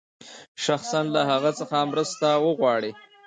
شخصاً له هغه څخه مرسته وغواړي.